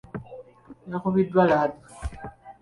Yakubiddwa laddu.